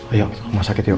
ayo ke rumah sakit yuk